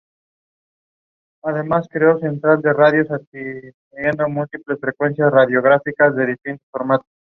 El estudio integral de los signos contiene las tres valoraciones.